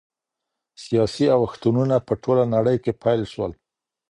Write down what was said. سياسي اوښتونونه په ټوله نړۍ کي پيل سول.